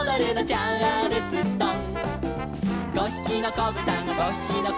「チャールストン」